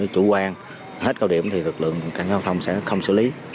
chủ quan hết cao điểm thì lực lượng cảnh sát giao thông sẽ không xử lý